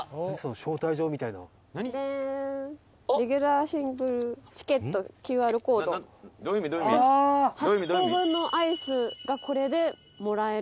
松本：「レギュラーシングルチケットＱＲコード」「８個分のアイスがこれでもらえる」